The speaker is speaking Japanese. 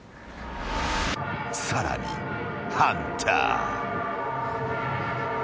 ［さらにハンター］